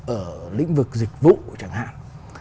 ở lĩnh vực dịch vụ chẳng hạn